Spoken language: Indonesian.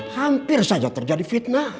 hampir saja terjadi fitnah